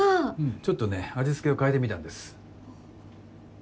ちょっとね味付けを変えてみたんです。